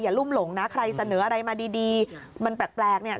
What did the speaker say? รุ่มหลงนะใครเสนออะไรมาดีมันแปลกเนี่ย